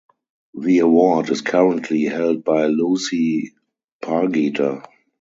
The award is currently held by Lucy Pargeter.